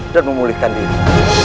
dan memulihkan diri